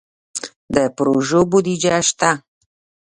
د پروژو بودیجه شته؟